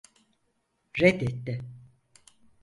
Reddetti.